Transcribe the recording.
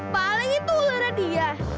paling itu ularnya dia